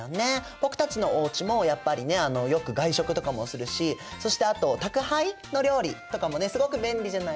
僕たちのおうちもやっぱりねよく外食とかもするしそしてあと宅配の料理とかもねすごく便利じゃないですか。